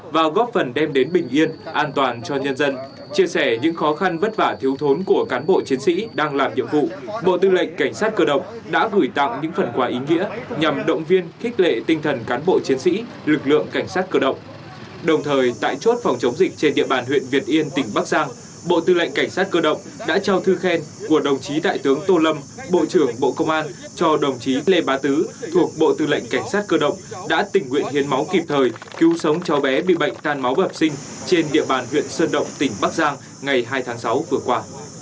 bộ tư lệnh cảnh sát cơ động đã trao thư khen của đồng chí tại tướng tô lâm bộ trưởng bộ công an cho đồng chí lê bá tứ thuộc bộ tư lệnh cảnh sát cơ động đã tình nguyện hiến máu kịp thời cứu sống cho bé bị bệnh than máu bậc sinh trên địa bàn huyện sơn động tỉnh bắc giang ngày hai tháng sáu vừa qua